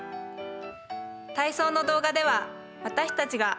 体操の動画では、私たちが。